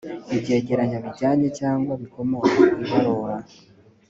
ibyegeranyo bijyanye cyangwa bikomoka ku ibarura